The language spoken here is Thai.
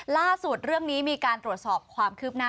ล่าสุดเรื่องนี้มีการตรวจสอบความคืบหน้า